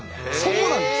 そうなんです！